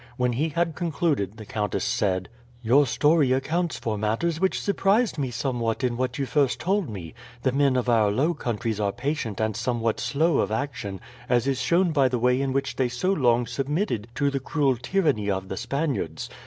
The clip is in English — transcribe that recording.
When he had concluded the countess said: "Your story accounts for matters which surprised me somewhat in what you first told me. The men of our Low Countries are patient and somewhat slow of action, as is shown by the way in which they so long submitted to the cruel tyranny of the Spaniards.